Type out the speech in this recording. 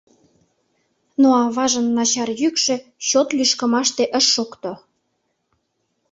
— Но аважын начар йӱкшӧ чот лӱшкымаште ыш шокто.